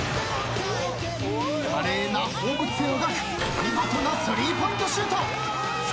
華麗な放物線を描く見事な３ポイントシュート！笑